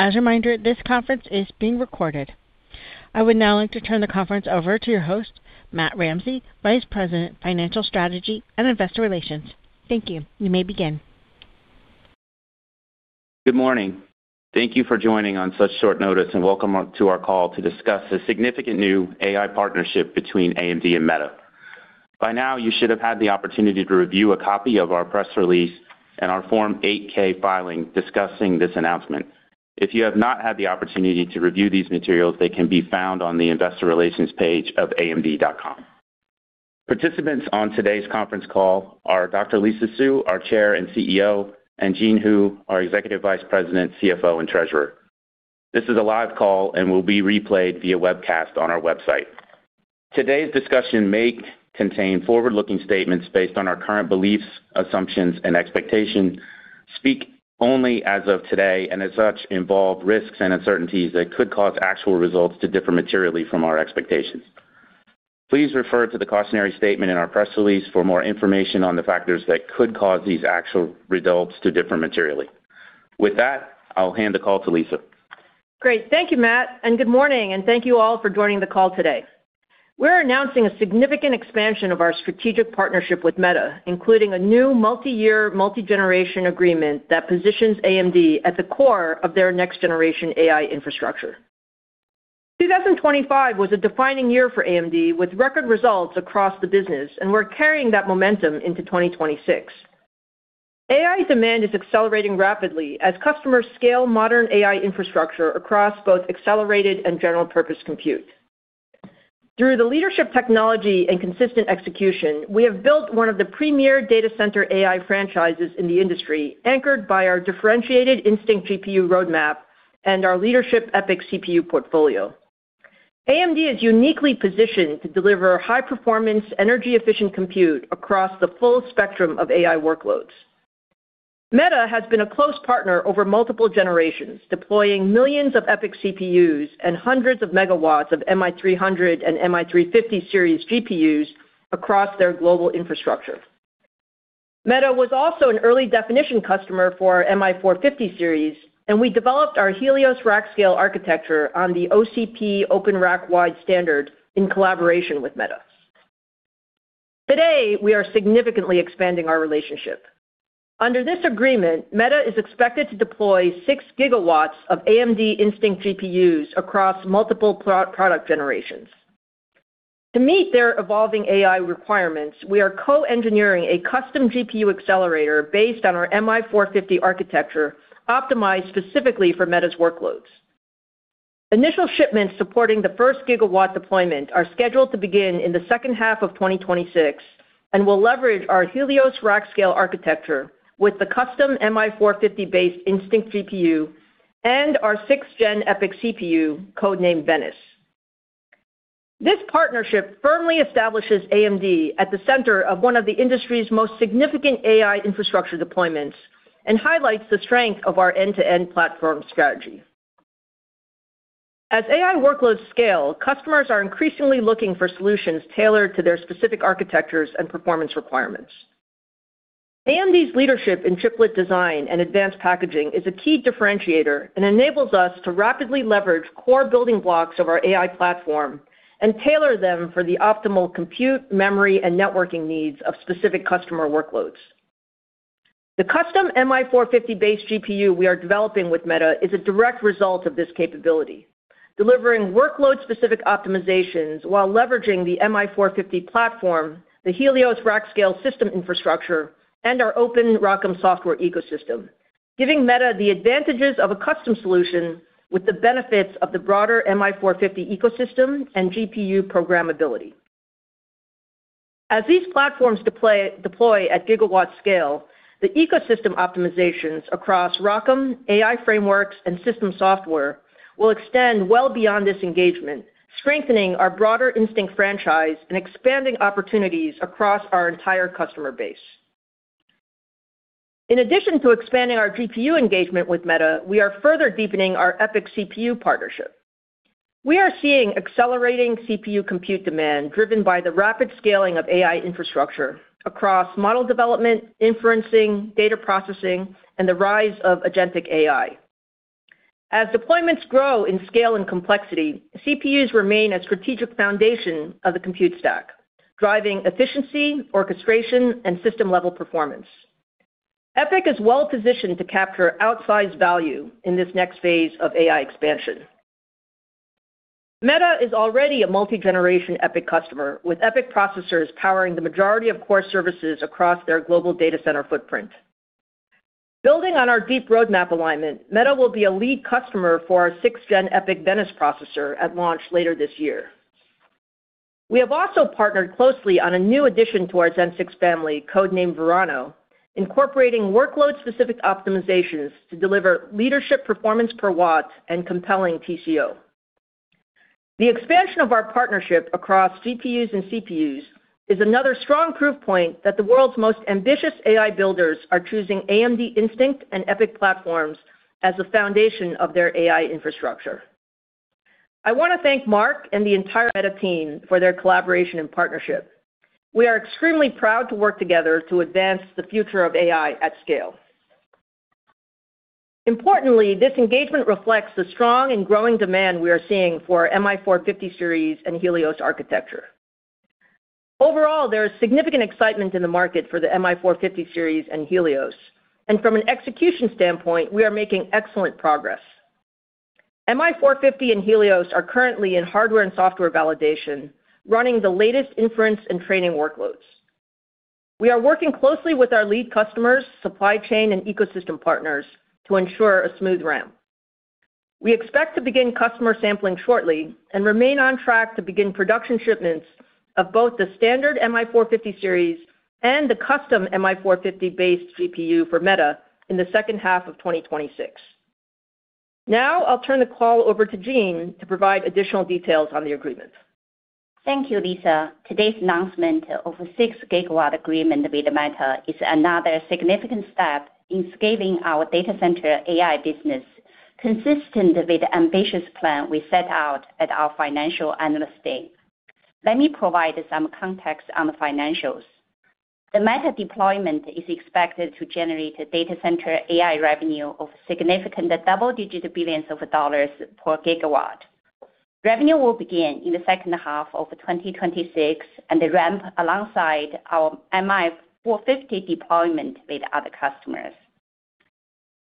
As a reminder, this conference is being recorded. I would now like to turn the conference over to your host, Matt Ramsay, Vice President, Financial Strategy and Investor Relations. Thank you. You may begin. Good morning. Thank you for joining on such short notice, and welcome on to our call to discuss a significant new AI partnership between AMD and Meta. By now, you should have had the opportunity to review a copy of our press release and our Form 8-K filing discussing this announcement. If you have not had the opportunity to review these materials, they can be found on the investor relations page of amd.com. Participants on today's conference call are Dr. Lisa Su, our Chair and CEO, and Jean Hu, our Executive Vice President, CFO, and Treasurer. This is a live call and will be replayed via webcast on our website. Today's discussion may contain forward-looking statements based on our current beliefs, assumptions, and expectations, speak only as of today, and as such, involve risks and uncertainties that could cause actual results to differ materially from our expectations. Please refer to the cautionary statement in our press release for more information on the factors that could cause these actual results to differ materially. With that, I'll hand the call to Lisa. Great. Thank you, Matt. Good morning, and thank you all for joining the call today. We're announcing a significant expansion of our strategic partnership with Meta, including a new multi-year, multi-generation agreement that positions AMD at the core of their next generation AI infrastructure. 2025 was a defining year for AMD, with record results across the business. We're carrying that momentum into 2026. AI demand is accelerating rapidly as customers scale modern AI infrastructure across both accelerated and general purpose compute. Through the leadership technology and consistent execution, we have built one of the premier data center AI franchises in the industry, anchored by our differentiated Instinct GPU roadmap and our leadership EPYC CPU portfolio. AMD is uniquely positioned to deliver high performance, energy-efficient compute across the full spectrum of AI workloads. Meta has been a close partner over multiple generations, deploying millions of EPYC CPUs and hundreds of megawatts of MI300 and MI350 series GPUs across their global infrastructure. Meta was also an early definition customer for our MI450 series, we developed our Helios rack-scale architecture on the OCP Open Rack wide standard in collaboration with Meta. Today, we are significantly expanding our relationship. Under this agreement, Meta is expected to deploy 6GW of AMD Instinct GPUs across multiple product generations. To meet their evolving AI requirements, we are co-engineering a custom GPU accelerator based on our MI450 architecture, optimized specifically for Meta's workloads. Initial shipments supporting the 1st gigawatt deployment are scheduled to begin in the second half of 2026 and will leverage our Helios rack-scale architecture with the custom MI450-based Instinct GPU and our 6th Gen EPYC CPU, code-named Venice. This partnership firmly establishes AMD at the center of one of the industry's most significant AI infrastructure deployments and highlights the strength of our end-to-end platform strategy. As AI workloads scale, customers are increasingly looking for solutions tailored to their specific architectures and performance requirements. AMD's leadership in chiplet and advanced packaging is a key differentiator and enables us to rapidly leverage core building blocks of our AI platform and tailor them for the optimal compute, memory, and networking needs of specific customer workloads. The custom MI450-based GPU we are developing with Meta is a direct result of this capability, delivering workload-specific optimizations while leveraging the MI450 platform, the Helios rack scale system infrastructure, and our open ROCm software ecosystem, giving Meta the advantages of a custom solution with the benefits of the broader MI450 ecosystem and GPU programmability. As these platforms deploy at gigawatt scale, the ecosystem optimizations across ROCm, AI frameworks, and system software will extend well beyond this engagement, strengthening our broader Instinct franchise and expanding opportunities across our entire customer base. In addition to expanding our GPU engagement with Meta, we are further deepening our EPYC CPU partnership. We are seeing accelerating CPU compute demand driven by the rapid scaling of AI infrastructure across model development, inferencing, data processing, and the rise of agentic AI. As deployments grow in scale and complexity, CPUs remain a strategic foundation of the compute stack, driving efficiency, orchestration, and system-level performance. EPYC is well positioned to capture outsized value in this next phase of AI expansion. Meta is already a multi-generation EPYC customer, with EPYC processors powering the majority of core services across their global data center footprint. Building on our deep roadmap alignment, Meta will be a lead customer for our 6th Gen EPYC Venice processor at launch later this year. We have also partnered closely on a new addition to our Zen 6 family, code-named Verano, incorporating workload-specific optimizations to deliver leadership performance per watt and compelling TCO. The expansion of our partnership across GPUs and CPUs is another strong proof point that the world's most ambitious AI builders are choosing AMD Instinct and EPYC platforms as the foundation of their AI infrastructure. I want to thank Mark and the entire Meta team for their collaboration and partnership. We are extremely proud to work together to advance the future of AI at scale. Importantly, this engagement reflects the strong and growing demand we are seeing for our MI450 series and Helios architecture. Overall, there is significant excitement in the market for the MI450 series and Helios, and from an execution standpoint, we are making excellent progress. MI450 and Helios are currently in hardware and software validation, running the latest inference and training workloads. We are working closely with our lead customers, supply chain, and ecosystem partners to ensure a smooth ramp. We expect to begin customer sampling shortly and remain on track to begin production shipments of both the standard MI450 series and the custom MI450-based CPU for Meta in the second half of 2026. Now, I'll turn the call over to Jean to provide additional details on the agreement. Thank you, Lisa. Today's announcement of a 6-gigawatt agreement with Meta is another significant step in scaling our data center AI business, consistent with the ambitious plan we set out at our Financial Analyst Day. Let me provide some context on the financials. The Meta deployment is expected to generate a data center AI revenue of significant double-digit billions of dollars per gigawatt. Revenue will begin in the second half of 2026, and they ramp alongside our MI450 deployment with other customers.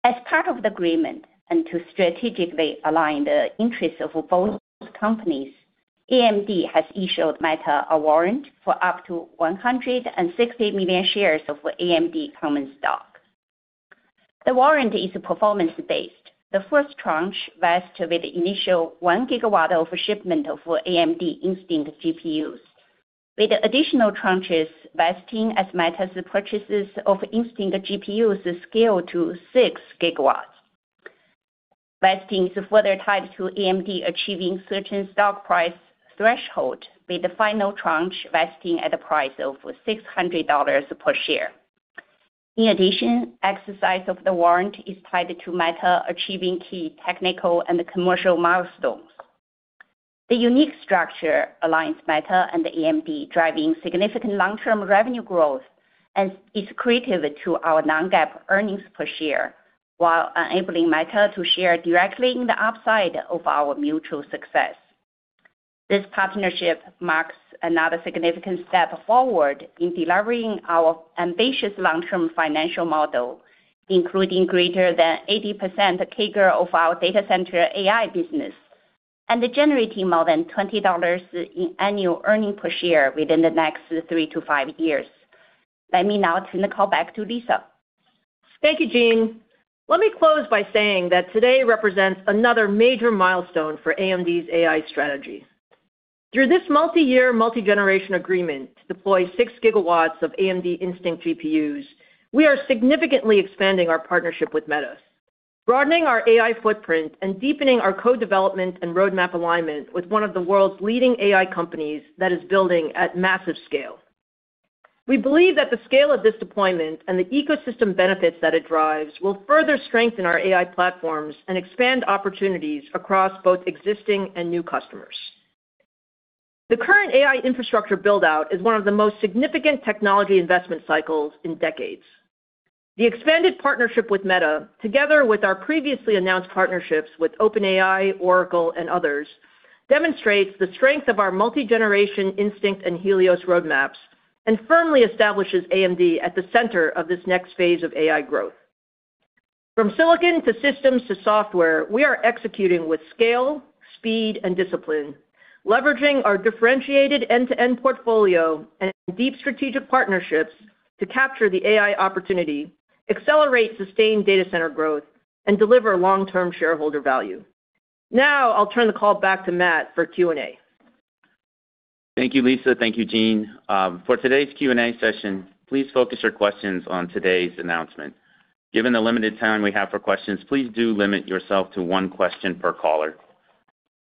As part of the agreement, and to strategically align the interests of both companies, AMD has issued Meta a warrant for up to 160 million shares of AMD common stock. The warrant is performance-based. The first tranche vests with the initial 1 gigawatt of shipment of AMD Instinct GPUs, with additional tranches vesting as Meta's purchases of Instinct GPUs is scaled to 6GW, vesting further tied to AMD achieving certain stock price threshold, with the final tranche vesting at a price of $600 per share. In addition, exercise of the warrant is tied to Meta achieving key technical and commercial milestones. The unique structure aligns Meta and AMD, driving significant long-term revenue growth and is accretive to our non-GAAP earnings per share, while enabling Meta to share directly in the upside of our mutual success. This partnership marks another significant step forward in delivering our ambitious long-term financial model, including greater than 80% CAGR of our data center AI business, and generating more than $20 in annual earnings per share within the next three to five years. Let me now turn the call back to Lisa. Thank you, Jean. Let me close by saying that today represents another major milestone for AMD's AI strategy. Through this multiyear, multigeneration agreement to deploy 6GW of AMD Instinct GPUs, we are significantly expanding our partnership with Meta, broadening our AI footprint, and deepening our code development and roadmap alignment with one of the world's leading AI companies that is building at massive scale. We believe that the scale of this deployment and the ecosystem benefits that it drives will further strengthen our AI platforms and expand opportunities across both existing and new customers. The current AI infrastructure build-out is one of the most significant technology investment cycles in decades. The expanded partnership with Meta, together with our previously announced partnerships with OpenAI, Oracle, and others, demonstrates the strength of our multigeneration Instinct and Helios roadmaps and firmly establishes AMD at the center of this next phase of AI growth. From silicon to systems to software, we are executing with scale, speed, and discipline, leveraging our differentiated end-to-end portfolio and deep strategic partnerships to capture the AI opportunity, accelerate sustained data center growth, and deliver long-term shareholder value. Now, I'll turn the call back to Matt for Q&A. Thank you, Lisa. Thank you, Jean. For today's Q&A session, please focus your questions on today's announcement. Given the limited time we have for questions, please do limit yourself to one question per caller.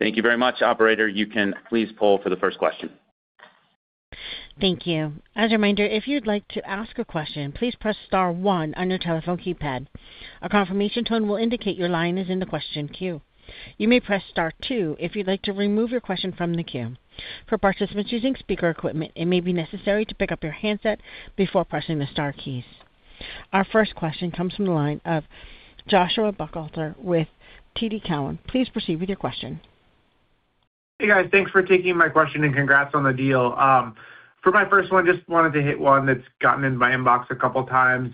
Thank you very much, operator. You can please poll for the first question. Thank you. As a reminder, if you'd like to ask a question, please press star one on your telephone keypad. A confirmation tone will indicate your line is in the question queue. You may press star two if you'd like to remove your question from the queue. For participants using speaker equipment, it may be necessary to pick up your handset before pressing the star keys. Our first question comes from the line of Joshua Buchalter with TD Cowen. Please proceed with your question. Hey, guys. Thanks for taking my question, and congrats on the deal. For my first one, just wanted to hit one that's gotten in my inbox a couple times.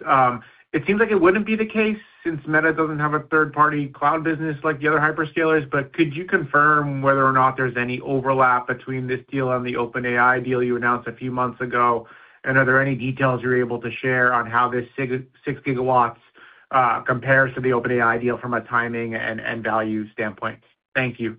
It seems like it wouldn't be the case since Meta doesn't have a third-party cloud business like the other hyperscalers, but could you confirm whether or not there's any overlap between this deal and the OpenAI deal you announced a few months ago? Are there any details you're able to share on how this 6 gigawatts compares to the OpenAI deal from a timing and end value standpoint? Thank you.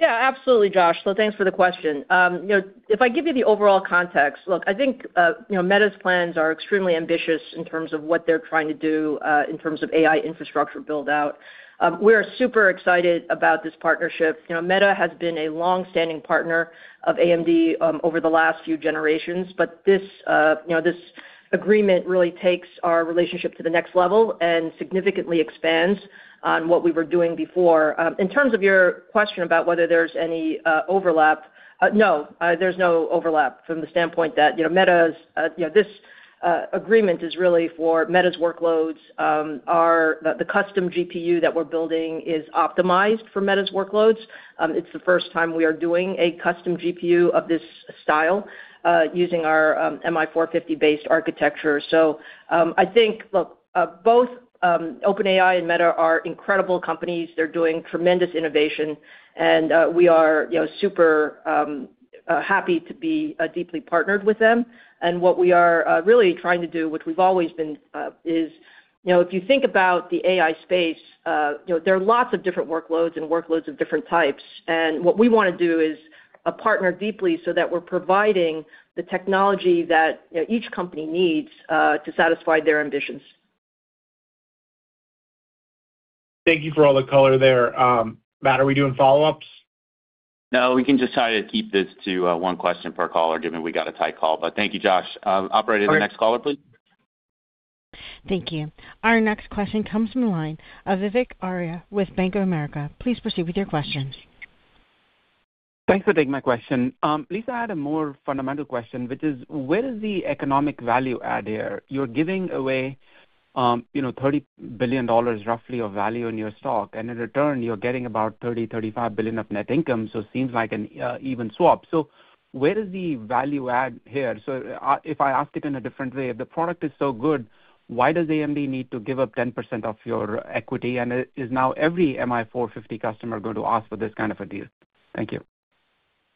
Yeah, absolutely, Josh. Thanks for the question. You know, if I give you the overall context, look, I think, you know, Meta's plans are extremely ambitious in terms of what they're trying to do in terms of AI infrastructure build-out. We're super excited about this partnership. You know, Meta has been a long-standing partner of AMD over the last few generations, but this, you know, this agreement really takes our relationship to the next level and significantly expands on what we were doing before. In terms of your question about whether there's any overlap, no, there's no overlap from the standpoint that, you know, Meta's, you know, agreement is really for Meta's workloads. Our, the custom GPU that we're building is optimized for Meta's workloads. It's the first time we are doing a custom GPU of this style, using our MI450-based architecture. I think, look, both OpenAI and Meta are incredible companies. They're doing tremendous innovation, we are, you know, super happy to be deeply partnered with them. What we are really trying to do, which we've always been, is, you know, if you think about the AI space, you know, there are lots of different workloads and workloads of different types. What we want to do is partner deeply so that we're providing the technology that, you know, each company needs to satisfy their ambitions. Thank you for all the color there. Matt, are we doing follow-ups? We can just try to keep this to one question per caller, given we got a tight call. Thank you, Josh. Operator, the next caller, please. Thank you. Our next question comes from the line of Vivek Arya with Bank of America. Please proceed with your questions. Thanks for taking my question. Lisa, I had a more fundamental question, which is, where is the economic value add here? You're giving away, you know, $30 billion, roughly, of value in your stock, and in return, you're getting about $30 billion-$35 billion of net income, so it seems like an even swap. Where is the value add here? If I ask it in a different way, if the product is so good, why does AMD need to give up 10% of your equity? Is now every MI450 customer going to ask for this kind of a deal? Thank you.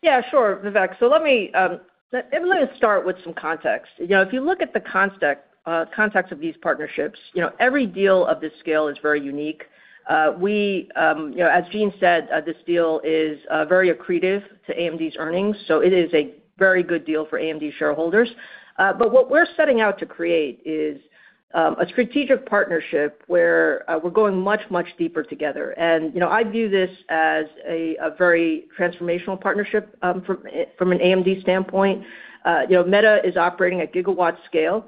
Yeah, sure, Vivek. Let me, let me just start with some context. You know, if you look at the context of these partnerships, you know, every deal of this scale is very unique. We, you know, as Jean said, this deal is very accretive to AMD's earnings, so it is a very good deal for AMD shareholders. What we're setting out to create is a strategic partnership where, we're going much, much deeper together. You know, I view this as a very transformational partnership, from an AMD standpoint. You know, Meta is operating at gigawatt scale.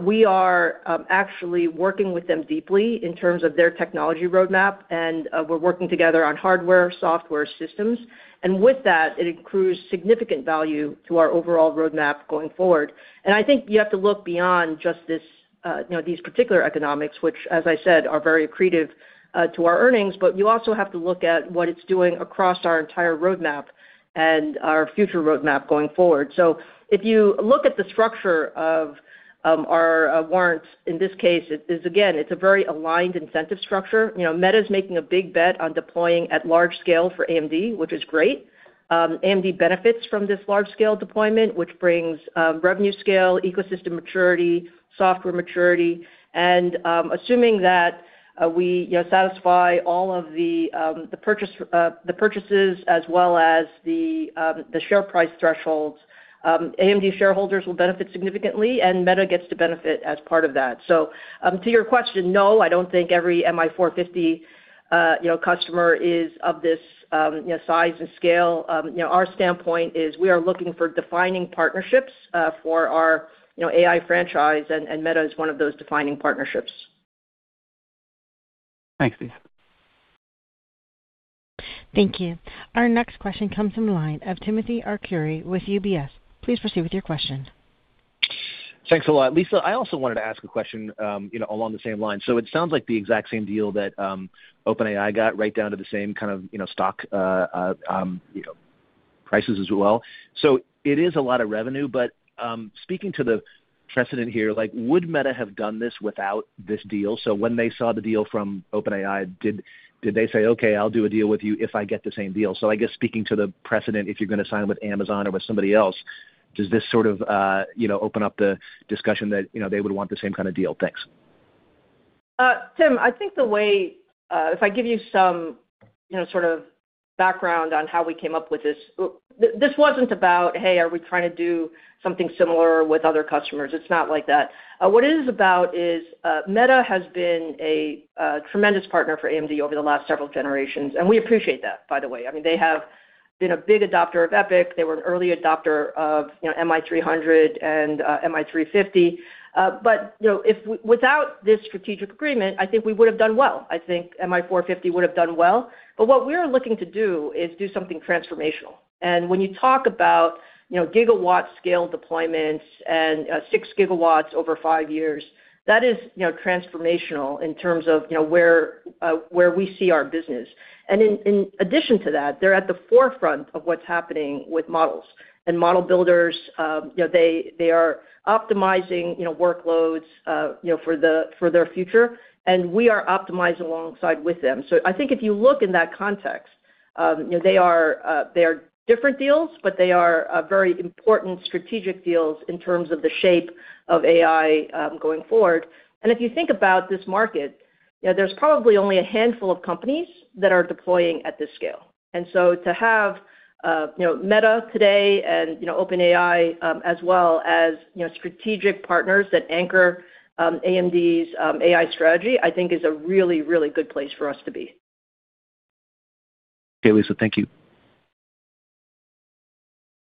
We are, actually working with them deeply in terms of their technology roadmap, and, we're working together on hardware, software, systems. With that, it accrues significant value to our overall roadmap going forward. I think you have to look beyond just this, you know, these particular economics, which, as I said, are very accretive to our earnings, but you also have to look at what it's doing across our entire roadmap and our future roadmap going forward. If you look at the structure of our warrants, in this case, it is, again, it's a very aligned incentive structure. You know, Meta is making a big bet on deploying at large scale for AMD, which is great. AMD benefits from this large-scale deployment, which brings, revenue scale, ecosystem maturity, software maturity, and, assuming that, we, you know, satisfy all of the purchase, the purchases as well as the share price thresholds, AMD shareholders will benefit significantly, and Meta gets to benefit as part of that. To your question, no, I don't think every MI450, you know, customer is of this, you know, size and scale. Our standpoint is we are looking for defining partnerships, for our, you know, AI franchise, and Meta is one of those defining partnerships. Thanks, Lisa. Thank you. Our next question comes from the line of Timothy Arcuri with UBS. Please proceed with your questions. Thanks a lot. Lisa, I also wanted to ask a question, you know, along the same lines. It sounds like the exact same deal that OpenAI got right down to the same kind of, you know, stock, you know, prices as well. It is a lot of revenue, but speaking to the precedent here, like, would Meta have done this without this deal? When they saw the deal from OpenAI, did they say: "Okay, I'll do a deal with you if I get the same deal?" I guess speaking to the precedent, if you're going to sign with Amazon or with somebody else, does this sort of, you know, open up the discussion that, you know, they would want the same kind of deal? Thanks. Tim, I think the way, if I give you some, you know, sort of background on how we came up with this. This, this wasn't about, hey, are we trying to do something similar with other customers? It's not like that. What it is about is, Meta has been a tremendous partner for AMD over the last several generations, and we appreciate that, by the way. I mean, they have been a big adopter of EPYC. They were an early adopter of, you know, MI300 and MI350. You know, if without this strategic agreement, I think we would have done well. I think MI450 would have done well, but what we're looking to do is do something transformational. When you talk about, you know, gigawatt scale deployments and 6GW over five years, that is, you know, transformational in terms of, you know, where we see our business. In addition to that, they're at the forefront of what's happening with models and model builders. You know, they are optimizing, you know, workloads, you know, for the, for their future, and we are optimized alongside with them. I think if you look in that context, you know, they are different deals, but they are very important strategic deals in terms of the shape of AI going forward. If you think about this market, you know, there's probably only a handful of companies that are deploying at this scale. To have, you know, Meta today and, you know, OpenAI, as well as, you know, strategic partners that anchor, AMD's, AI strategy, I think is a really, really good place for us to be. Okay, Lisa. Thank you.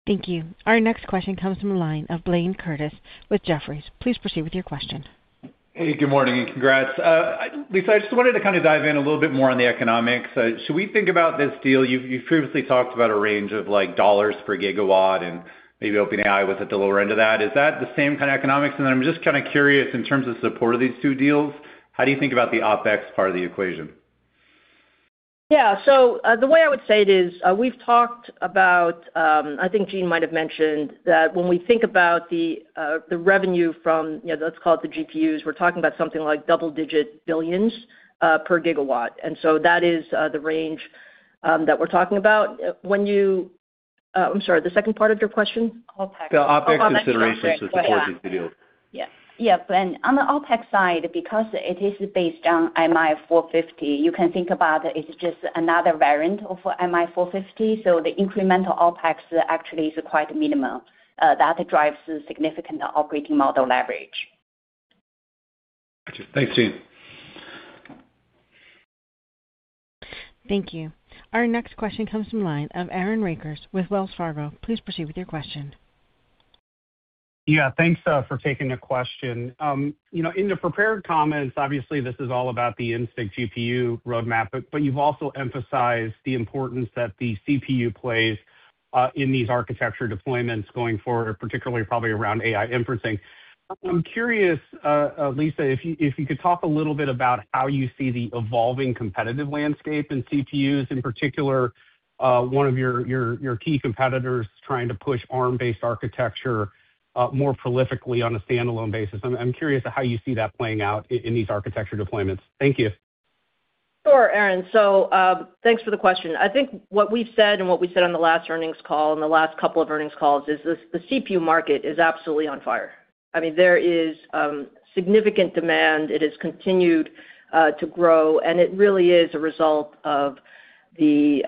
Thank you. Our next question comes from the line of Blayne Curtis with Jefferies. Please proceed with your question. Hey, good morning, and congrats. Lisa, I just wanted to kind of dive in a little bit more on the economics. Should we think about this deal? You've previously talked about a range of, like, dollars per gigawatt and maybe OpenAI was at the lower end of that. Is that the same kind of economics? Then I'm just kind of curious, in terms of support of these two deals, how do you think about the OpEx part of the equation? Yeah. The way I would say it is, we've talked about, I think Jean might have mentioned that when we think about the revenue from, you know, let's call it the GPUs, we're talking about something like double-digit billions per gigawatt, and so that is the range that we're talking about. When you, I'm sorry, the second part of your question? OpEx. The OpEx considerations for supporting the deal. Yes. Yep, on the OpEx side, because it is based on MI450, you can think about it's just another variant of MI450, so the incremental OpEx actually is quite minimal. That drives significant operating model leverage. Gotcha. Thanks, Gene. Thank you. Our next question comes from line of Aaron Rakers with Wells Fargo. Please proceed with your question. Yeah, thanks for taking the question. You know, in the prepared comments, obviously, this is all about the Instinct GPU roadmap, but you've also emphasized the importance that the CPU plays in these architecture deployments going forward, particularly probably around AI inferencing. I'm curious, Lisa, if you could talk a little bit about how you see the evolving competitive landscape in CPUs, in particular, one of your key competitors trying to push ARM-based architecture more prolifically on a standalone basis. I'm curious of how you see that playing out in these architecture deployments. Thank you. Sure, Aaron. Thanks for the question. I think what we've said and what we said on the last earnings call and the last couple of earnings calls is this, the CPU market is absolutely on fire. I mean, there is significant demand. It has continued to grow, and it really is a result of the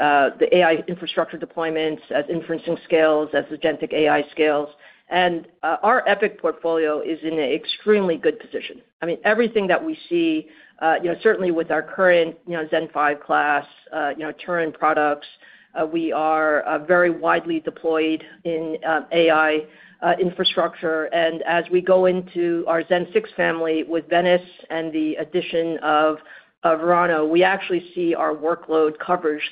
AI infrastructure deployments as inferencing scales, as agentic AI scales. Our EPYC portfolio is in an extremely good position. I mean, everything that we see, you know, certainly with our current, you know, Zen 5 class, you know, Turin products, we are very widely deployed in AI infrastructure. As we go into our Zen 6 family with Venice and the addition of Verano, we actually see our workload coverage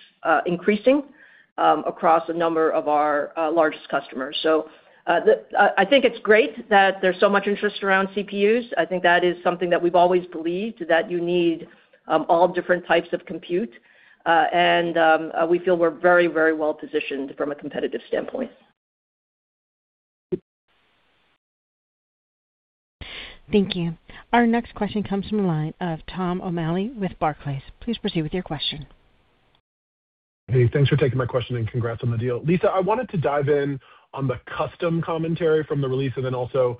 increasing across a number of our largest customers. I think it's great that there's so much interest around CPUs. I think that is something that we've always believed, that you need all different types of compute. We feel we're very well positioned from a competitive standpoint. Thank you. Our next question comes from the line of Thomas O'Malley with Barclays. Please proceed with your question. Thanks for taking my question, and congrats on the deal. Lisa, I wanted to dive in on the custom commentary from the release and then also,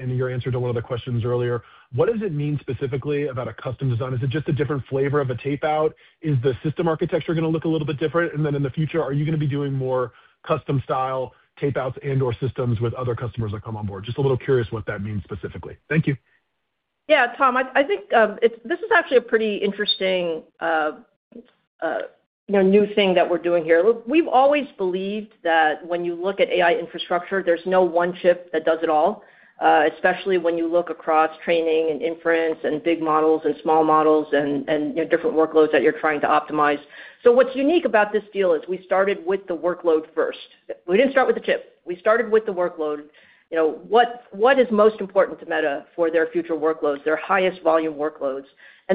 in your answer to one of the questions earlier. What does it mean specifically about a custom design? Is it just a different flavor of a tape-out? Is the system architecture going to look a little bit different? In the future, are you going to be doing more custom style tape-outs and/or systems with other customers that come on board? Just a little curious what that means specifically. Thank you. Yeah, Tom, I think, this is actually a pretty interesting, you know, new thing that we're doing here. Look, we've always believed that when you look at AI infrastructure, there's no one chip that does it all, especially when you look across training and inference and big models and small models and, you know, different workloads that you're trying to optimize. What's unique about this deal is we started with the workload first. We didn't start with the chip. We started with the workload. You know, what is most important to Meta for their future workloads, their highest volume workloads?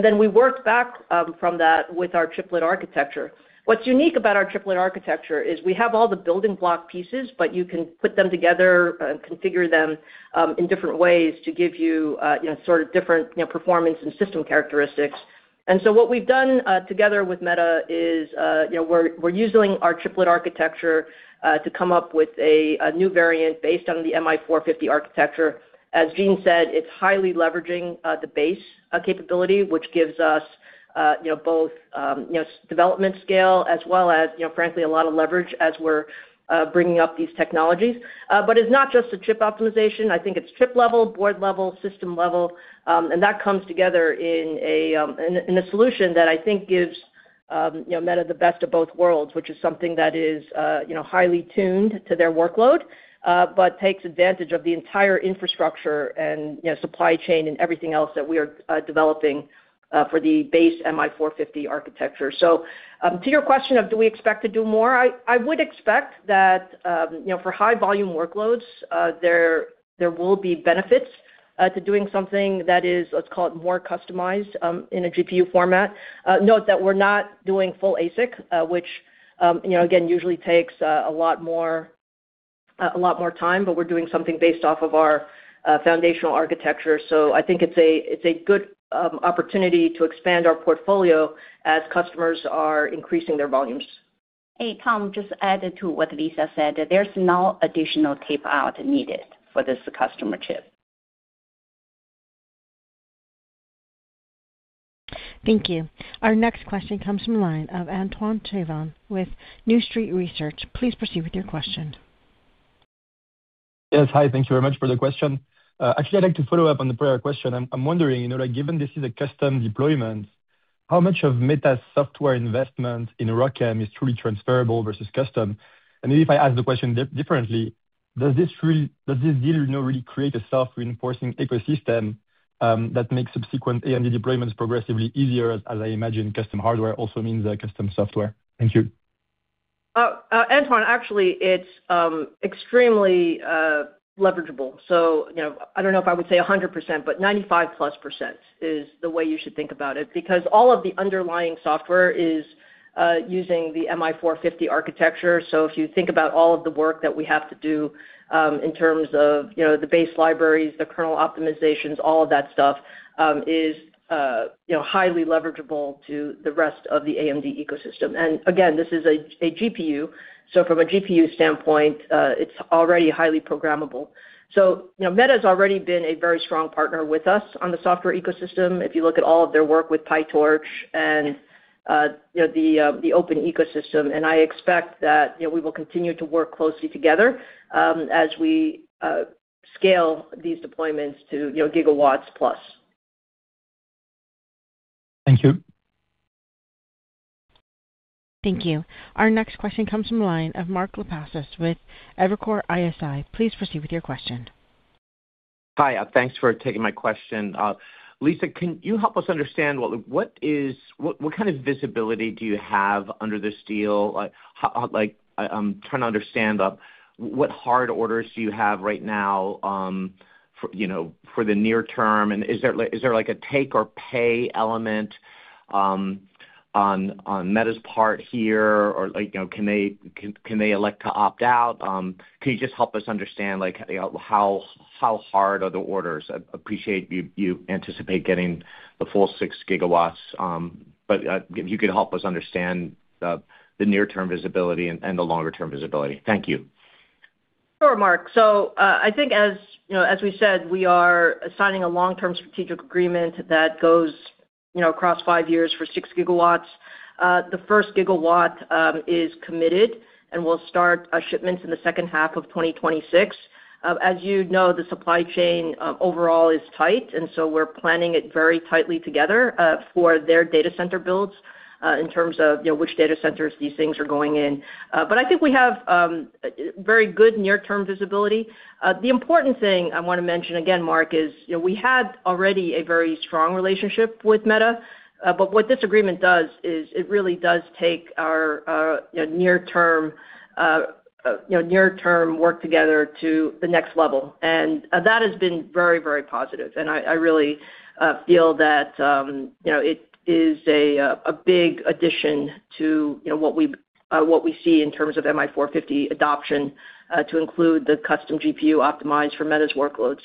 Then we worked back from that with our triplet architecture. What's unique about our triplet architecture is we have all the building block pieces, but you can put them together, configure them in different ways to give you sort of different performance and system characteristics. What we've done together with Meta is we're using our triplet architecture to come up with a new variant based on the MI450 architecture. As Jean said, it's highly leveraging the base capability, which gives us both development scale as well as frankly, a lot of leverage as we're bringing up these technologies. It's not just a chip optimization. I think it's chip level, board level, system level, and that comes together in a solution that I think gives, you know, Meta the best of both worlds, which is something that is, you know, highly tuned to their workload, but takes advantage of the entire infrastructure and, you know, supply chain and everything else that we are developing for the base MI450 architecture. To your question of do we expect to do more, I would expect that, you know, for high volume workloads, there will be benefits to doing something that is, let's call it, more customized, in a GPU format. Note that we're not doing full ASIC, which, you know, again, usually takes a lot more, a lot more time, but we're doing something based off of our foundational architecture. I think it's a, it's a good opportunity to expand our portfolio as customers are increasing their volumes. Hey, Tom, just add to what Lisa said, that there's no additional tape-out needed for this customer chip. Thank you. Our next question comes from the line of Antoine Chkaiban with New Street Research. Please proceed with your question. Yes. Hi, thank you very much for the question. Actually, I'd like to follow up on the prior question. I'm wondering, you know, like, given this is a custom deployment. How much of Meta's software investment in ROCm is truly transferable versus custom? If I ask the question differently, does this deal now really create a self-reinforcing ecosystem that makes subsequent AMD deployments progressively easier, as I imagine, custom hardware also means custom software? Thank you. Antoine, actually, it's extremely leverageable. You know, I don't know if I would say 100%, but +95% is the way you should think about it. All of the underlying software is using the MI450 architecture. If you think about all of the work that we have to do, in terms of, you know, the base libraries, the kernel optimizations, all of that stuff, is, you know, highly leverageable to the rest of the AMD ecosystem. Again, this is a GPU, so from a GPU standpoint, it's already highly programmable. You know, Meta's already been a very strong partner with us on the software ecosystem. If you look at all of their work with PyTorch and, you know, the open ecosystem, I expect that, you know, we will continue to work closely together, as we scale these deployments to, you know, gigawatts plus. Thank you. Thank you. Our next question comes from the line of Mark Lipacis with Evercore ISI. Please proceed with your question. Hi, thanks for taking my question. Lisa, can you help us understand what kind of visibility do you have under this deal? Like, how, like, I trying to understand what hard orders do you have right now for, you know, for the near term, and is there like a take or pay element on Meta's part here? Or, like, you know, can they elect to opt out? Can you just help us understand, like, you know, how hard are the orders? I appreciate you anticipate getting the full 6GW, but if you could help us understand the near-term visibility and the longer-term visibility. Thank you. Sure, Mark. I think as, you know, as we said, we are signing a long-term strategic agreement that goes, you know, across five years for 6GW. The first gigawatt is committed, and we'll start shipments in the second half of 2026. As you know, the supply chain overall is tight, and so we're planning it very tightly together for their data center builds in terms of, you know, which data centers these things are going in. I think we have very good near-term visibility. The important thing I want to mention again, Mark, is, you know, we had already a very strong relationship with Meta, what this agreement does is, it really does take our, you know, near-term, you know, near-term work together to the next level, and that has been very, very positive. I really feel that, you know, it is a big addition to, you know, what we, what we see in terms of MI450 adoption, to include the custom GPU optimized for Meta's workload.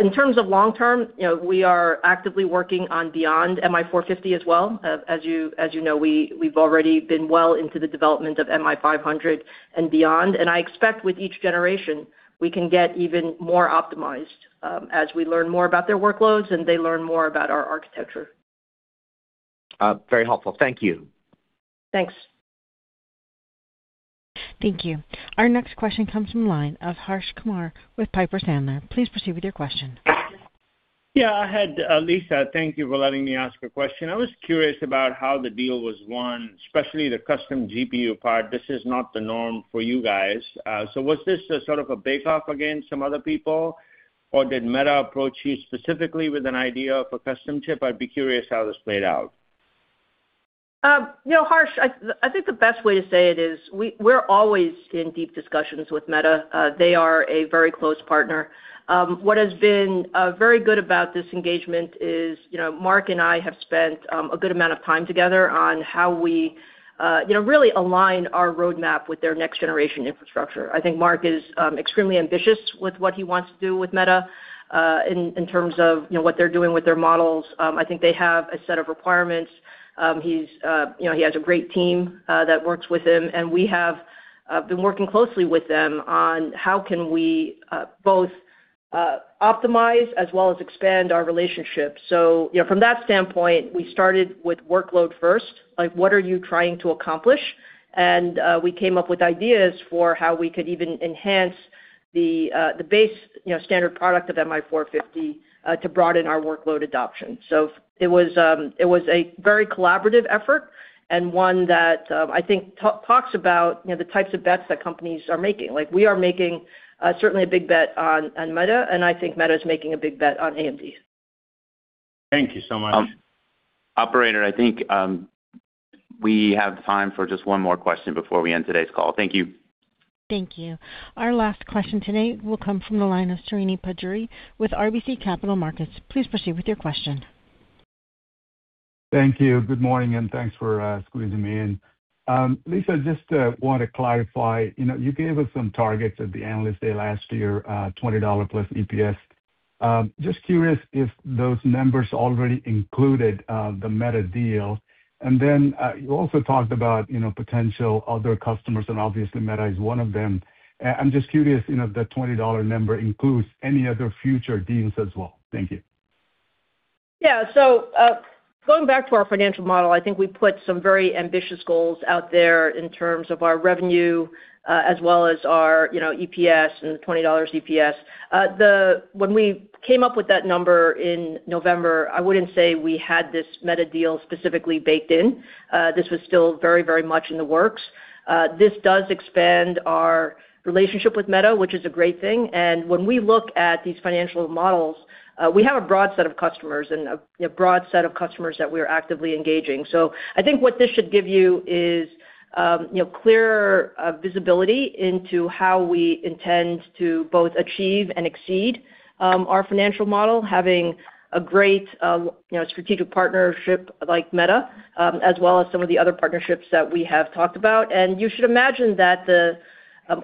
In terms of long term, you know, we are actively working on beyond MI450 as well. As you know, we've already been well into the development of MI500 and beyond. I expect with each generation, we can get even more optimized, as we learn more about their workloads, and they learn more about our architecture. Very helpful. Thank you. Thanks. Thank you. Our next question comes from the line of Harsh Kumar with Piper Sandler. Please proceed with your question. I had Lisa, thank you for letting me ask a question. I was curious about how the deal was won, especially the custom GPU part. This is not the norm for you guys. Was this a sort of a bake-off against some other people, or did Meta approach you specifically with an idea of a custom chip? I'd be curious how this played out. You know, Harsh, I think the best way to say it is we're always in deep discussions with Meta. They are a very close partner. What has been very good about this engagement is, you know, Mark and I have spent a good amount of time together on how we, you know, really align our roadmap with their next-generation infrastructure. I think Mark is extremely ambitious with what he wants to do with Meta, in terms of, you know, what they're doing with their models. I think they have a set of requirements. He's, you know, he has a great team that works with him, and we have been working closely with them on how can we both optimize as well as expand our relationship. You know, from that standpoint, we started with workload first, like, what are you trying to accomplish? We came up with ideas for how we could even enhance the base, you know, standard product of MI450, to broaden our workload adoption. It was a very collaborative effort and one that, I think talks about, you know, the types of bets that companies are making. Like, we are making, certainly a big bet on Meta, and I think Meta is making a big bet on AMD. Thank you so much. Operator, I think we have time for just one more question before we end today's call. Thank you. Thank you. Our last question today will come from the line of Srini Pajjuri with RBC Capital Markets. Please proceed with your question. Thank you. Good morning, and thanks for squeezing me in. Lisa, just want to clarify, you know, you gave us some targets at the analyst day last year, $20 plus EPS. Just curious if those numbers already included the Meta deal. You also talked about, you know, potential other customers, and obviously Meta is one of them. I'm just curious, you know, if the $20 number includes any other future deals as well. Thank you. Going back to our financial model, I think we put some very ambitious goals out there in terms of our revenue, as well as our, you know, EPS and the $20 EPS. When we came up with that number in November, I wouldn't say we had this Meta deal specifically baked in. This was still very, very much in the works. This does expand our relationship with Meta, which is a great thing. When we look at these financial models, we have a broad set of customers and a broad set of customers that we are actively engaging. I think what this should give you is, you know, clearer visibility into how we intend to both achieve and exceed our financial model, having a great, you know, strategic partnership like Meta, as well as some of the other partnerships that we have talked about. You should imagine that the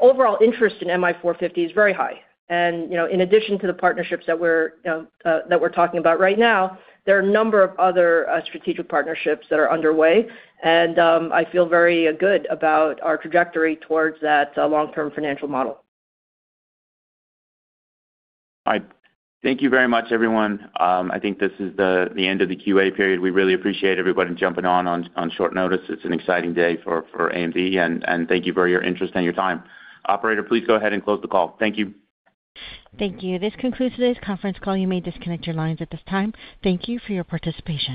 overall interest in MI450 is very high. You know, in addition to the partnerships that we're, you know, that we're talking about right now, there are a number of other strategic partnerships that are underway, and I feel very good about our trajectory towards that long-term financial model. All right. Thank you very much, everyone. I think this is the end of the QA period. We really appreciate everybody jumping on short notice. It's an exciting day for AMD, and thank you for your interest and your time. Operator, please go ahead and close the call. Thank you. Thank you. This concludes today's conference call. You may disconnect your lines at this time. Thank you for your participation.